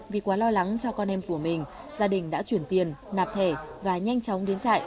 vì quá lo lắng cho con em của mình gia đình đã chuyển tiền nạp thẻ và nhanh chóng đến chạy